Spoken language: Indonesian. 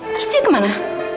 terus dia kemana